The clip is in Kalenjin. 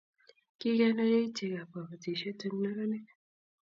kikenai yoityekab kabotisiet eng' neranik.